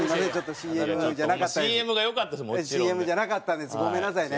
ＣＭじゃなかったんですごめんなさいね。